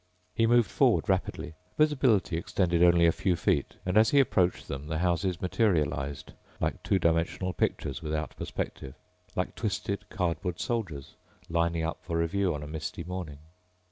He moved forward rapidly. Visibility extended only a few feet and as he approached them the houses materialized like two dimensional pictures without perspective, like twisted cardboard soldiers lining up for review on a misty morning.